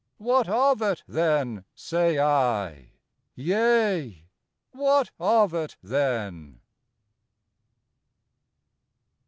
What of it then, say I! yea, what of it then!